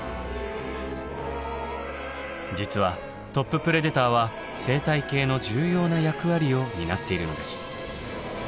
実はトッププレデターは生態系の重要な役割を担っているのです。